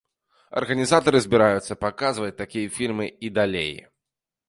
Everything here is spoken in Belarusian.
Арганізатары збіраюцца паказваць такія фільмы і далей.